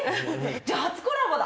じゃあ初コラボだ。